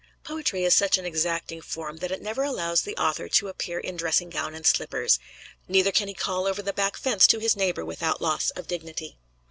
Poetry is such an exacting form that it never allows the author to appear in dressing gown and slippers; neither can he call over the back fence to his neighbor without loss of dignity.